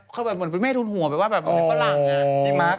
ก็ได้แบบแบบแม่ทูนหัวแปลว่าแบบเป็นรัก